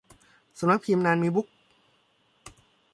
สำนักพิมพ์นานมีบุ๊คส์